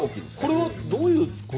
これはどういうこと？